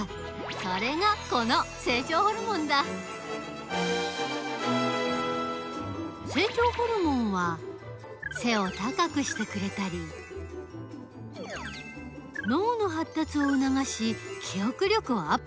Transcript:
それがこの成長ホルモンだ成長ホルモンは背を高くしてくれたり脳のはったつをうながし記憶力をアップさせたりする。